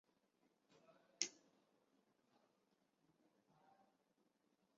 翌季史托迪尔没有获一队选派上阵。